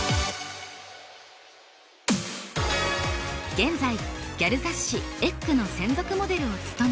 現在ギャル雑誌『ｅｇｇ』の専属モデルを務め。